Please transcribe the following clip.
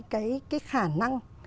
cái khả năng